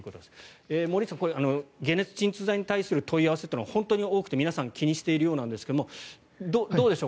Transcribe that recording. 森内さん、解熱鎮痛剤に対する問い合わせというのが本当に多くて皆さん気にしているようですがどうでしょう。